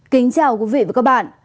kính chào quý vị và các bạn